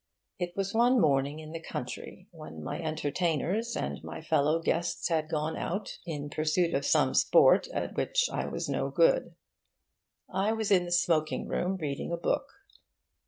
It was one morning in the country, when my entertainers and my fellow guests had gone out in pursuit of some sport at which I was no good. I was in the smoking room, reading a book.